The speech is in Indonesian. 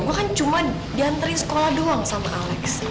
gue kan cuma diantri sekolah doang sama alex